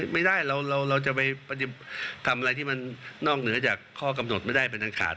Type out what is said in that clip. ไม่ได้เราจะไปทำอะไรที่มันนอกเหนือจากข้อกำหนดไม่ได้เป็นอันขาด